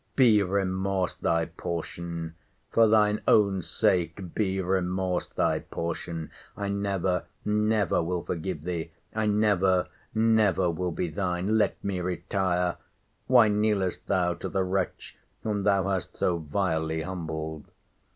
Be remorse thy portion!—For thine own sake, be remorse thy portion!—I never, never will forgive thee!—I never, never will be thine!—Let me retire!—Why kneelest thou to the wretch whom thou hast so vilely humbled?